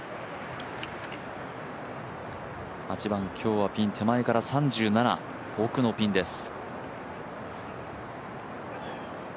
８番、今日はピン手前から３７、奥のピンです。